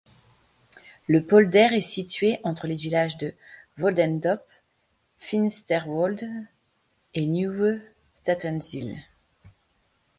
Le polder est situé entre les villages de Woldendorp, Finsterwolde et Nieuwe Statenzijl.